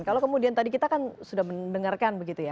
kalau kemudian tadi kita kan sudah mendengarkan begitu ya